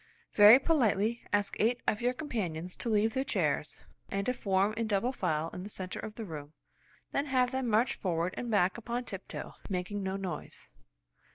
"Very politely ask eight of your com panions to leave their chairs, and to form in double file in the centre of the room, then have them march forward and back on tiptoe, making no noise."